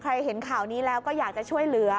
เห็นข่าวนี้แล้วก็อยากจะช่วยเหลือ